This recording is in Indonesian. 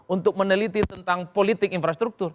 untuk meneliti tentang politik infrastruktur